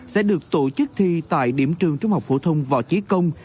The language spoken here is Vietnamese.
sẽ được tổ chức thi tại điểm trường trung học phổ thông võ trí công